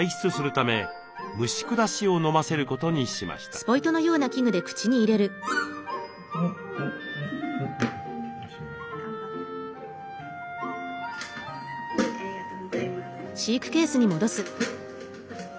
そこでありがとうございます。